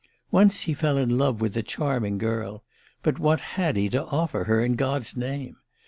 Once he fell in love with a charming girl but what had he to offer her, in God's name?